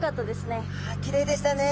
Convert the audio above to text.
きれいでしたね。